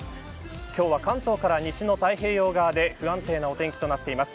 今日は関東から西の太平洋側で不安定なお天気となっています。